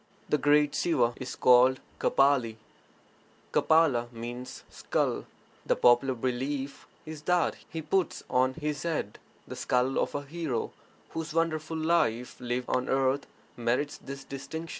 [The great Siva is called Kapali; Kapala meaning 'skull'. The popular belief is that He puts on His head the skull of a hero whose wonderful life lived on earth merits this distinction.